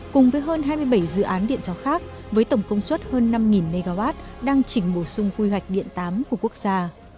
cùng với hơn hai mươi bảy dự án điện gió khác với tổng công suất hơn năm mw đang chỉnh bổ sung quy hoạch điện tám của quốc gia